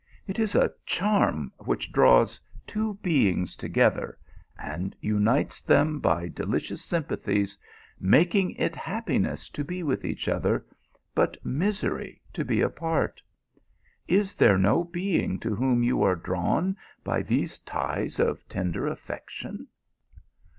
It is a charm which draws two beings to gether, and unites them by delicious sympathies, making it happiness to be with each other, nut mis ery to be apart. Is there no being to whom you are drawn by these ties of tender affection